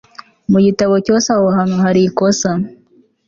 mu igitabo cyose aho hantu hari ikosa